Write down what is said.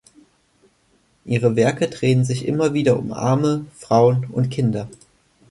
Ihre Werke drehen sich immer wieder um Arme, Frauen und Kinder.